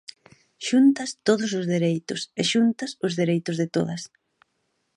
Xuntas, todos os dereitos; e xuntas, os dereitos de todas.